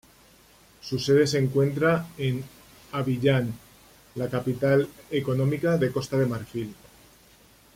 Su sede se encuentra en Abiyán, la capital económica de Costa de Marfil.